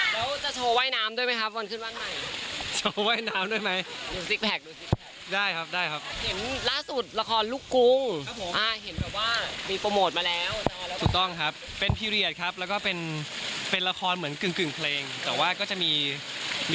แล้วจะโชว์ว่ายน้ำด้วยมั้ยครับวันขึ้นว่านใหม่